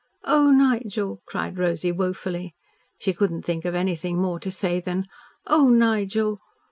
"Oh, Nigel!" cried Rosy woefully. She could not think of anything more to say than, "Oh, Nigel!"